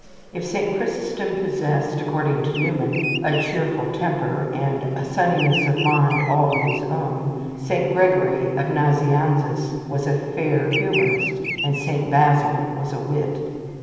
If Saint Chrysostom possessed, according to Newman, a cheerful temper, and "a sunniness of mind all his own," Saint Gregory of Nazianzus was a fair humourist, and Saint Basil was a wit.